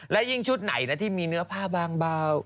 และยิ่งชุดไหนนะที่มีเนื้อผ้าบางเบา